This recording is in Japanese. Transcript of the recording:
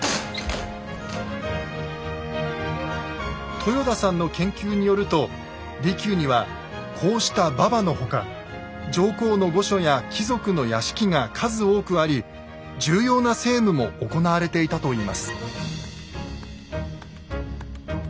豊田さんの研究によると離宮にはこうした馬場の他上皇の御所や貴族の屋敷が数多くあり重要な政務も行われていたといいます。